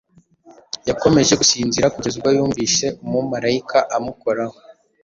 Yakomeje gusinzira kugeza ubwo yumvise umumarayika amukoraho